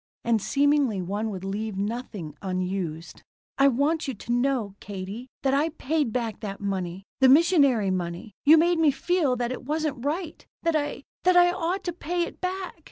And seemingly one would leave nothing unused. "I want you to know, Katie, that I paid back that money. The missionary money. You made me feel that it wasn't right. That I that I ought to pay it back.